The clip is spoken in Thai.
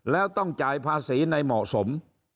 แล้วต้องจ่ายภาษีในเหมาะสม